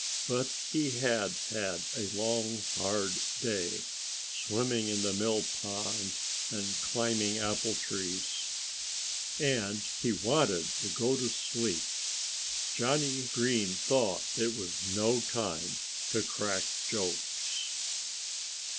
But he had had a long, hard day, swimming in the mill pond and climbing apple trees. And he wanted to go to sleep. Johnnie Green thought it was no time to crack jokes.